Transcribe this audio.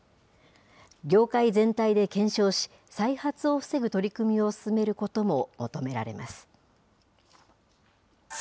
業界全体で検証し、再発を防ぐ取り組みを進めることも求められます。